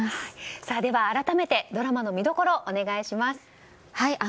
改めてドラマの見どころをお願いします。